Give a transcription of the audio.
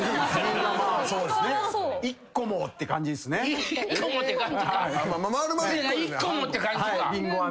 １個もって感じか。